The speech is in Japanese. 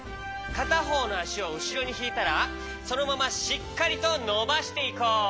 かたほうのあしをうしろにひいたらそのまましっかりとのばしていこう。